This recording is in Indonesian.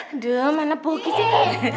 aduh mana buki sih